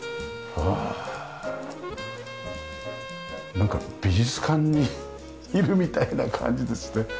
なんか美術館にいるみたいな感じですね。